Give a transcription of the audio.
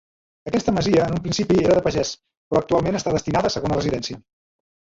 Aquesta masia en un principi era de pagès, però actualment està destinada a segona residència.